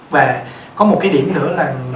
và có một cái điểm nữa là